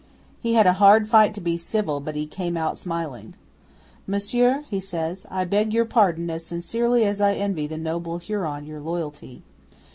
'He had a hard fight to be civil, but he come out smiling. '"Monsieur," he says, "I beg your pardon as sincerely as I envy the noble Huron your loyalty.